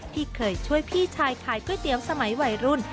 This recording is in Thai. ที่เคยช่วยพี่ชายขายก๋วยเตี๋ยวสมัยวัยรุ่น